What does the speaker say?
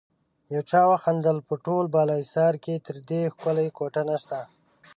يو چا وخندل: په ټول بالاحصار کې تر دې ښکلی کوټه نشته.